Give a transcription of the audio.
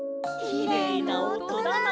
きれいなおとだな。